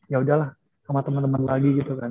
yaudah lah sama temen temen lagi gitu kan